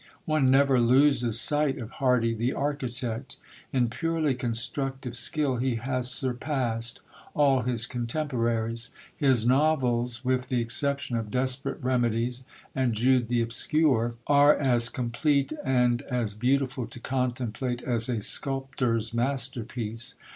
One never loses sight of Hardy the architect. In purely constructive skill he has surpassed all his contemporaries. His novels with the exception of Desperate Remedies and Jude the Obscure are as complete and as beautiful to contemplate as a sculptor's masterpiece.